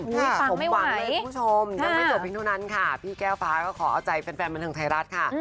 สมหวังเลยคุณผู้ชมยังไม่จบเพียงเท่านั้นค่ะพี่แก้วฟ้าก็ขอเอาใจแฟนบันเทิงไทยรัฐค่ะ